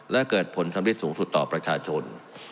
และเกิดผลสำริดสูงสุดต่อประชาชน